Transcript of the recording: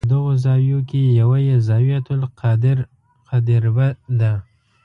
په دغو زاویو کې یوه یې الزاویة القادربه ده.